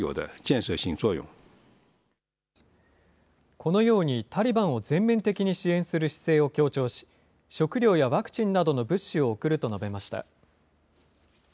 このように、タリバンを全面的に支援する姿勢を強調し、食料やワクチンなどの物資を送ると述べました。